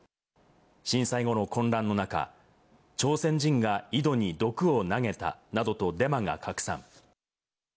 震災後の混乱の中、朝鮮人が井戸に毒を投げたなどとデマが拡散。